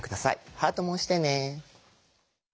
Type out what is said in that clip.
ハートも押してね。